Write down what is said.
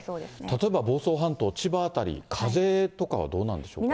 例えば房総半島、千葉辺り、風とかはどうなんでしょうか。